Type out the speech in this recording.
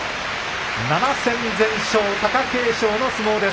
７戦全勝、貴景勝の相撲です。